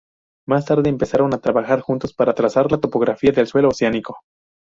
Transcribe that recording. Más tarde, empezaron a trabajar juntos para trazar la topografía del suelo oceánico.